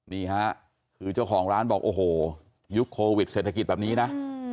นี่ฮะคือเจ้าของร้านบอกโอ้โหยุคโควิดเศรษฐกิจแบบนี้นะ